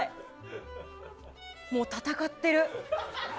もう、戦ってる。